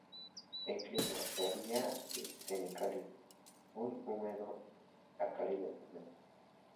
El clima varía de semicálido muy húmedo a cálido húmedo.